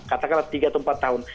katakanlah tiga atau empat tahun